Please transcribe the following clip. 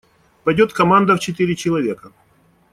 Пойдет команда в четыре человека.